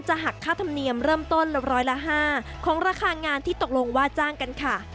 หักค่าธรรมเนียมเริ่มต้นละร้อยละ๕ของราคางานที่ตกลงว่าจ้างกันค่ะ